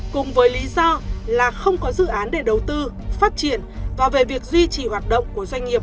cùng với lý do là không có dự án để đầu tư phát triển và về việc duy trì hoạt động của doanh nghiệp